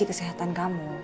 ini kesehatan kamu